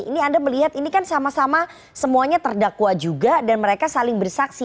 ini anda melihat ini kan sama sama semuanya terdakwa juga dan mereka saling bersaksi